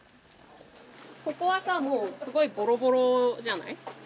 ここはさもうすごいボロボロじゃない。